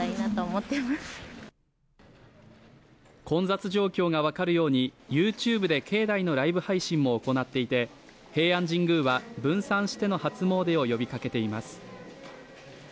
混雑状況が分かるようにＹｏｕＴｕｂｅで境内のライブ配信も行っていて平安神宮は分散しての初詣を呼びかけています。